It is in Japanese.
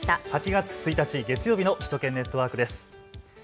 ８月１日、月曜日の首都圏ネットワークです。